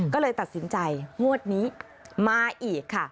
ก็เลยตัดสินใจงวดนี้มาอีกค่ะ